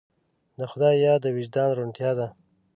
د خدای یاد د وجدان روڼتیا ده.